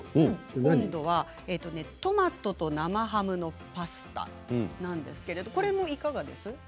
今度はトマトと生ハムのパスタなんですけれどもこれもいかがです。